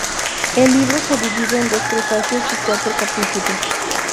El libro se divide en dos prefacios y cuatro capítulos.